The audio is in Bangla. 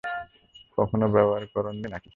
কখনো ব্যবহার করোনি নাকি?